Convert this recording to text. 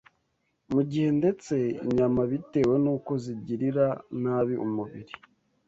Mu gihe ndetse inyama bitewe n’uko zigirira nabi umubiri